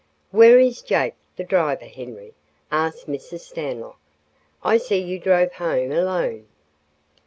"Where is Jake, the driver, Henry?" asked Mrs. Stanlock. "I see you drove home alone."